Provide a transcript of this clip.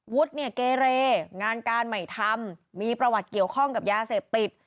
วุฒิเนี่ยเกเรงานการใหม่ทำมีประวัติเกี่ยวข้องกับยาเสพติด